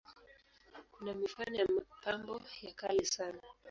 Kuna mifano ya mapambo ya kale sana.